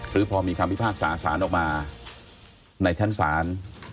หรือพอมีคำพิพากษาสารออกมาในชั้นศาล